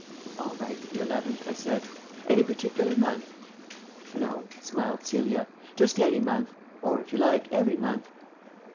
"All right, the eleventh," I said. "Any particular month?" "No," smiled Celia, "just any month. Or, if you like, every month."